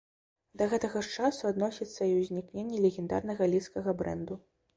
Да гэтага ж часу адносіцца і ўзнікненне легендарнага лідскага брэнду.